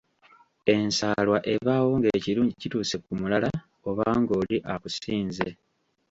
Ensaalwa ebaawo ng'ekirungi kituuse ku mulala oba ng'oli akusinze